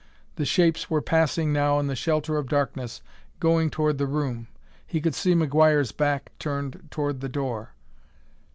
The shapes were passing now in the shelter of darkness, going toward the room.... He could see McGuire's back turned toward the door.